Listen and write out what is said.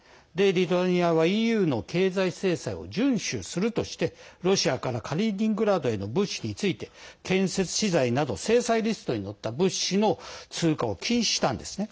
リトアニアはＥＵの経済制裁を順守するとしてロシアからカリーニングラードへの物資について建設資材など制裁リストに載った物資の通過を禁止したんですね。